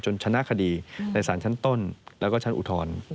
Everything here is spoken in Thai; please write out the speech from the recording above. ชนะคดีในสารชั้นต้นแล้วก็ชั้นอุทธรณ์